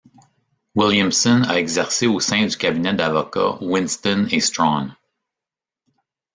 Williamson a exercé au sein du cabinet d'avocat Winston & Strawn.